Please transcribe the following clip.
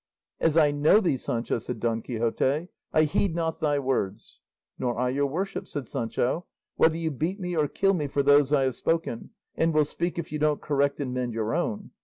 "As I know thee, Sancho," said Don Quixote, "I heed not thy words." "Nor I your worship's," said Sancho, "whether you beat me or kill me for those I have spoken, and will speak if you don't correct and mend your own.